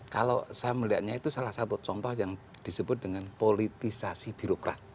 kalau saya melihatnya itu salah satu contoh yang disebut dengan politisasi birokrat